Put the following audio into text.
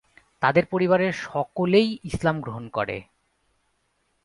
তাদের পরিবারের সকলেই ইসলাম গ্রহণ করে।